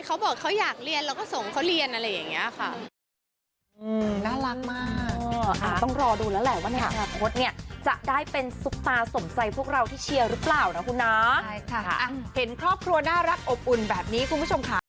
เขาบอกเขาอยากเรียนแล้วก็ส่งเขาเรียนอะไรอย่างนี้ค่ะ